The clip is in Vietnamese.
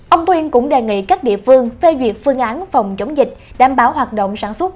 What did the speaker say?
ông tuyên cũng đề nghị các địa phương phê duyệt phương án phòng chống dịch đảm bảo hoạt động sản xuất